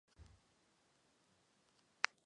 古贺稔彦是一名日本男子柔道运动员。